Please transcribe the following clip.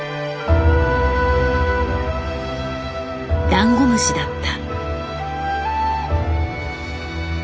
ダンゴムシだった。